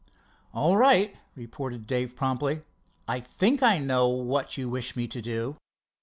"All right," reported Dave promptly, "I think I know what you wish me to do."